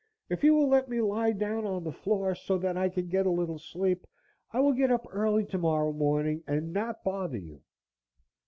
If you will let me lie down on the floor, so that I can get a little sleep, I will get up early tomorrow morning and not bother you."